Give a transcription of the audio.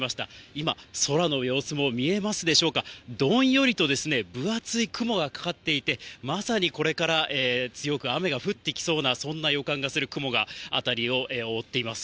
今、空の様子も見えますでしょうか、どんよりと分厚い雲がかかっていて、まさにこれから強く雨が降ってきそうな、そんな予感がする雲が辺りを覆っています。